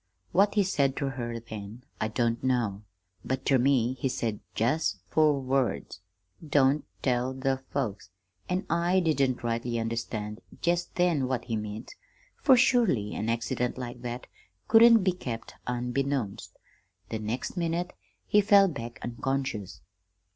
What he said ter her then I don't know, but ter me he said jest four words, 'Don't tell the folks,' an' I didn't rightly understand jest then what he meant, for surely an accident like that couldn't be kept unbeknownst. The next minute he fell back unconscious.